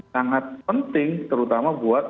sangat penting terutama buat